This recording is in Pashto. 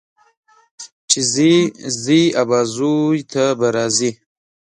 چې ځې، ځې ابازوی ته به راځې.